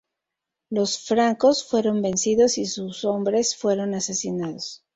Los francos fueron vencidos y sus hombres fueron asesinados.